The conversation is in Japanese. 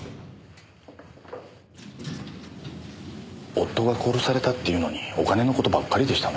夫が殺されたっていうのにお金の事ばっかりでしたね。